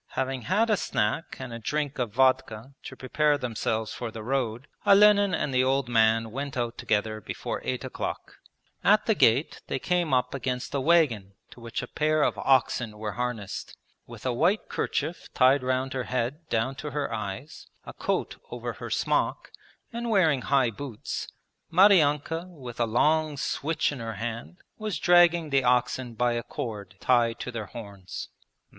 Having had a snack and a drink of vodka to prepare themselves for the road, Olenin and the old man went out together before eight o'clock. At the gate they came up against a wagon to which a pair of oxen were harnessed. With a white kerchief tied round her head down to her eyes, a coat over her smock, and wearing high boots, Maryanka with a long switch in her hand was dragging the oxen by a cord tied to their horns.